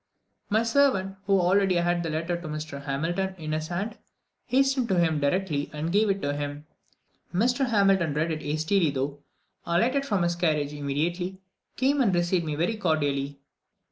My servant, who already had the letter to Mr. Hamilton in his hand, hastened to him directly, and gave it to him. Mr. Hamilton read it hastily through, alighted from his carriage immediately, came and received me very cordially.